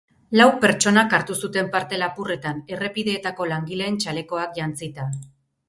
Lau pertsonak hartu zuten parte lapurretan, errepideetako langileen txalekoak jantzita.